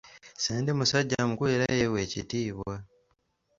Ssendi musajja mukulu era yeewa ekitiibwa.